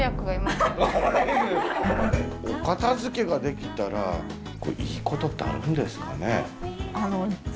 お片づけができたらいいことってあるんですかね？